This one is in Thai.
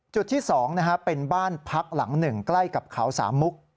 จุดที่๒เป็นบ้านพักหลังหนึ่งใกล้กับเขาสามมุก